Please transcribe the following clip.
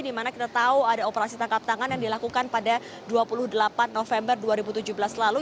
dimana kita tahu ada operasi tangkap tangan yang dilakukan pada dua puluh delapan november dua ribu tujuh belas lalu